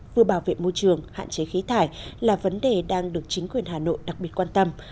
vừa bảo vệ môi trường hạn chế khí thải là vấn đề đang được chính quyền hà nội đặc biệt quan tâm